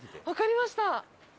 わかりました。